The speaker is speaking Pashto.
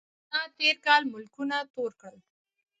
کرونا تېر کال ملکونه تور کړل